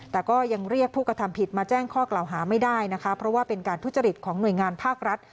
แต่ก็ยังเรียกผู้กระทำผิดมาแจ้งข้อกล่าวหาไม่ได้นะคะเพราะว่าเป็นการทุจริตของหน่วยงานภาครัฐ